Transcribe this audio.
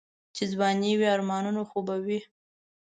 چې ځواني وي آرمانونه خو به وي.